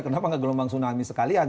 kenapa nggak gelombang tsunami sekalian